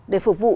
để phục vụ